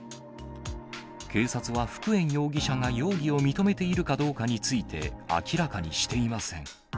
警察は福円容疑者が容疑を認めているかどうかについて、明らかにしていません。